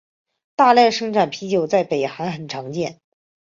大量生产的啤酒在北韩很常见。